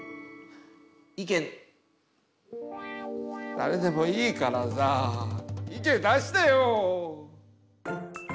だれでもいいからさ意見出してよ。